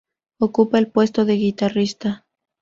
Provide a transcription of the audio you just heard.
Ocupa el puesto de guitarrista.